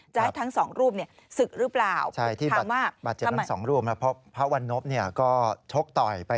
จะให้ทั้งสองรูปศึกหรือเปล่า